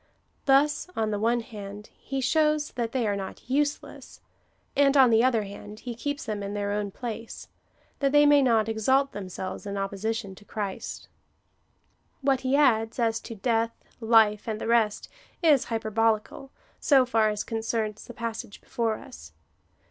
Thus on the one hand, he shows that they are not useless, and, on the other hand, he keeps them in their own place, that they may not exalt themselves in opposition to Christ. AVhat he adds, as to death, life, and the rest, is hyperbolical, so far as concerns the passage before us.